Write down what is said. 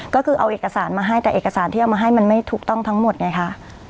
ก็คือเอาเอกสารมาให้แต่เอกสารที่เอามาให้มันไม่ถูกต้องทั้งหมดไงคะ